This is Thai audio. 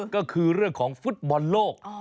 ก็คือเรื่องของฟุตบอลโลก